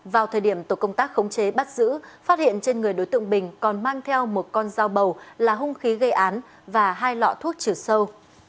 vào thời điểm tổ công tác khống chế bắt giữ phát hiện trên người đối tượng bình còn mang theo một con dao bầu là hung khí gây án và hai lọ thuốc trừ sâu